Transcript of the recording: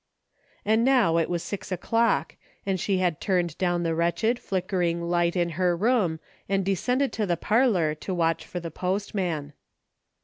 And now it was six o'clock, and she had turned down the wretched, flickering light in her room and descended to the parlor to watch for the postman.